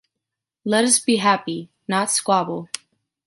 Let us be happy, not squabble.